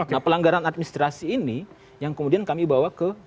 nah pelanggaran administrasi ini yang kemudian kami bawa ke